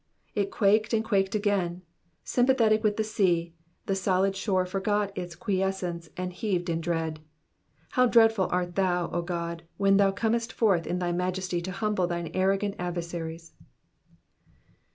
''^ It quaked and quaked again. Sympathetic with the sea, the solid shore forgot its quiescence and heaved in dread. How dreadful art thou, O God, when thou comest forth in thy majesty to humble thine arrogant adversaries.